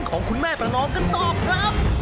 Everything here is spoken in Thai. ของคุณแม่ประนอมกันต่อครับ